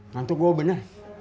ngantuk gua bener